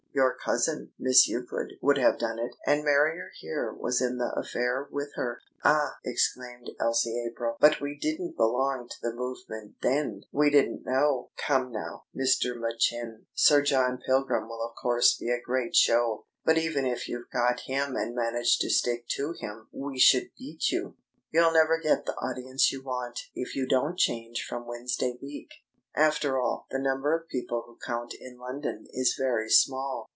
"Your cousin, Miss Euclid, would have done it, and Marrier here was in the affair with her." "Ah!" exclaimed Elsie April. "But we didn't belong to the movement then! We didn't know.... Come now, Mr. Machin. Sir John Pilgrim will of course be a great show. But even if you've got him and manage to stick to him, we should beat you. You'll never get the audience you want if you don't change from Wednesday week. After all, the number of people who count in London is very small.